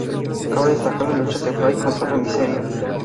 Cabe destacar la lucha de "Fray" contra la miseria.